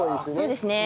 そうですね。